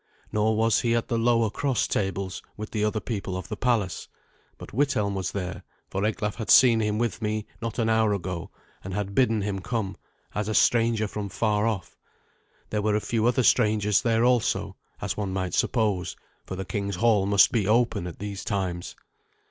Nor was he at the lower cross tables with the other people of the palace. But Withelm was there, for Eglaf had seen him with me not an hour ago, and had bidden him come, as a stranger from far off. There were a few other strangers there also, as one might suppose, for the king's hall must be open at these times.